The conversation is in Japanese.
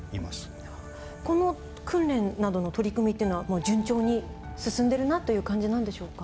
この訓練などの取り組みっていうのは順調に進んでるなという感じなんでしょうか？